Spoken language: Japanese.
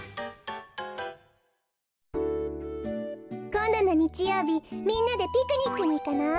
こんどのにちようびみんなでピクニックにいかない？